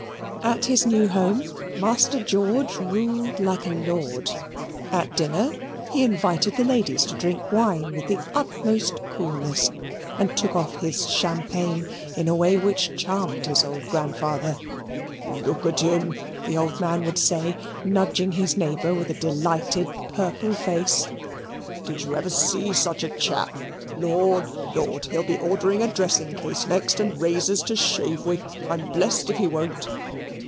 At his new home Master George ruled like a lord; at dinner he invited the ladies to drink wine with the utmost coolness, and took off his champagne in a way which charmed his old grandfather. "Look at him," the old man would say, nudging his neighbour with a delighted purple face, "did you ever see such a chap? Lord, Lord! he'll be ordering a dressing case next, and razors to shave with; I'm blessed if he won't."